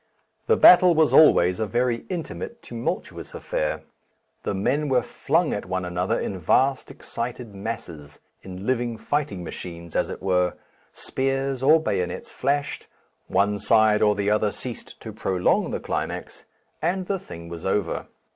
The battle was always a very intimate tumultuous affair, the men were flung at one another in vast excited masses, in living fighting machines as it were, spears or bayonets flashed, one side or the other ceased to prolong the climax, and the thing was over.